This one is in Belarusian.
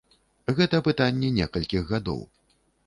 Гэта пытанне некалькіх гадоў.